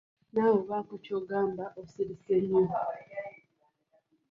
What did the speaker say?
Nawe baako ky'ogamba osirise nnyo.